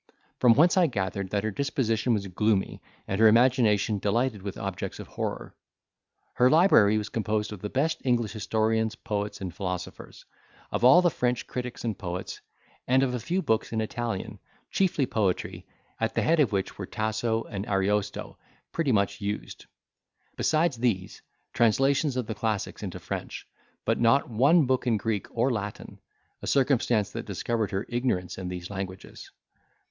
From whence I gathered, that her disposition was gloomy, and her imagination delighted with objects of horror. Her library was composed of the best English historians, poets, and philosophers; of all the French critics and poets, and of a few books in Italian, chiefly poetry, at the head of which were Tasso and Ariosto, pretty much used. Besides these, translations of the classics into French, but not one book in Greek or Latin; a circumstance that discovered her ignorance in these languages.